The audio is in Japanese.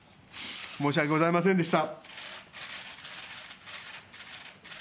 申し訳ございませんでした。